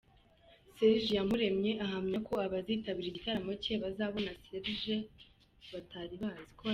Serge Iyamuremye ahamya ko abazitabira igitaramo cye bazabona Serge batari bazi.